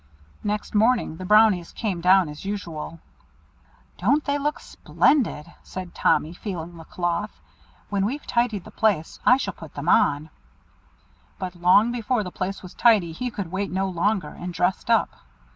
Next morning the Brownies came down as usual. "Don't they look splendid?" said Tommy, feeling the cloth. "When we've tidied the place I shall put them on." But long before the place was tidy, he could wait no longer, and dressed up.